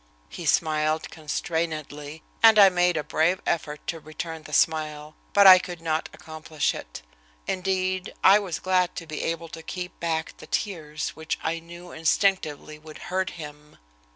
He smiled constrainedly, and I made a brave effort to return the smile, but I could not accomplish it. Indeed, I was glad to be able to keep back the tears, which I knew instinctively would hurt him.